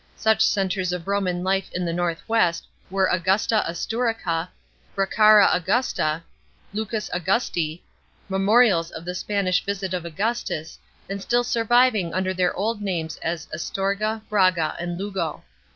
Such centres of Roman life in the north west were Augusta Asturica, Bracara Augusta, Lucus Augusti, memorials of the Spanish visit of Augustus, and still surviving under their old names as Astorga, Braga, and Lugo.